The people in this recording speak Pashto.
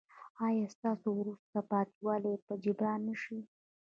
ایا ستاسو وروسته پاتې والی به جبران نه شي؟